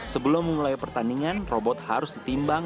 sebelum mulai pertandingan robot harus ditimbang